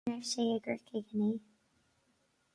An raibh sé i gCorcaigh inné